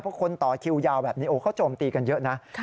เพราะคนต่อคิวยาวแบบนี้เขาโจมตีกันเยอะนะ